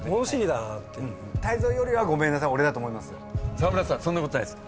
沢村さんそんなことないです。